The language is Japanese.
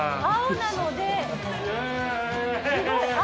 青なので。